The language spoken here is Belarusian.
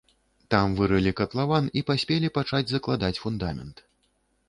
Там вырылі катлаван і паспелі пачаць закладаць фундамент.